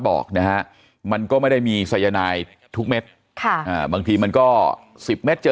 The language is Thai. บอกนะมันก็ไม่ได้มีสัยนายทุกเม็ดบางทีมันก็๑๐เม็ดเจอ